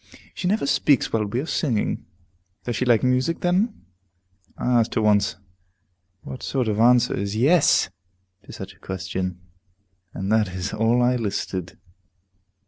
She never speaks while we are singing. Does she like music, then? I asked her once, but what sort of answer is "Yes!" to such a question? And that is all I elicited.